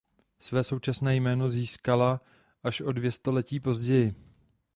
Své současné jméno získala až o dvě století později.